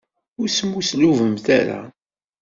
Ur smuslubemt ara.